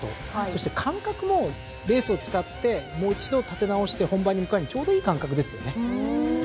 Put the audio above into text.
そして間隔もレースを使ってもう一度立て直して本番に向かうにはちょうどいい間隔ですよね。